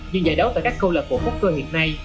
những giải đấu tại các câu lạc bộ poker hiện nay